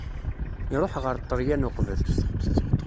Iruḥ ɣer Ṭṭelyan uqbel.